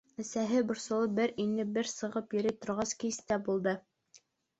Әсәһе борсолоп, бер инеп, бер сығып йөрөй торғас, кис тә булды.